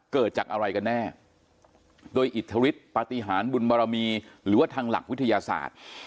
เกิดจากอะไรกันแน่โดยอิทธิฤทธิปฏิหารบุญบารมีหรือว่าทางหลักวิทยาศาสตร์